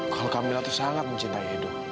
kalau kamila tuh sangat mencintai edo